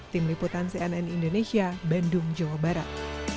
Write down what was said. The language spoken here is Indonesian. tim liputan cnn indonesia bandung jawa barat